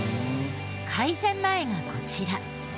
改善前がこちら。